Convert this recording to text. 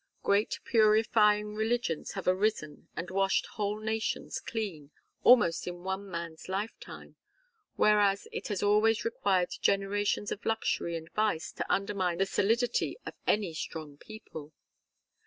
Great purifying religions have arisen and washed whole nations clean, almost in one man's lifetime, whereas it has always required generations of luxury and vice to undermine the solidity of any strong people.